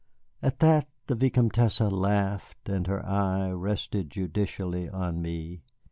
At that the Vicomtesse laughed, and her eye rested judicially on me.